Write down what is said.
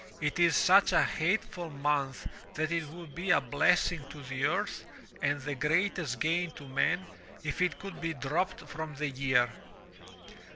It is such a hateful month that it would be a blessing to the earth and the greatest gain to men if it could be dropped from the year.